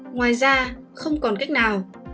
ngoài ra không còn cách nào